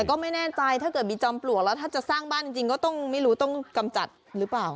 แต่ก็ไม่แน่ใจถ้าเกิดมีจอมปลวกแล้วถ้าจะสร้างบ้านจริงก็ต้องไม่รู้ต้องกำจัดหรือเปล่า